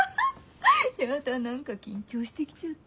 やだ何か緊張してきちゃった。